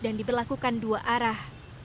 dan diberlakukan dua arah